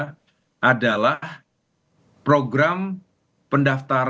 pertama adalah program pendaftaran